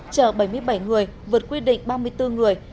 chở bảy mươi bảy người vượt quy định ba mươi bốn người